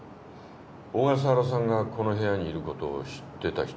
小笠原さんがこの部屋にいることを知ってた人は？